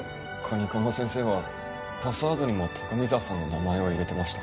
蟹釜先生はパスワードにも高見沢さんの名前を入れてました。